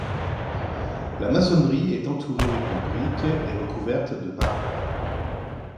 La maçonnerie est entourée de briques et recouverte de marbre.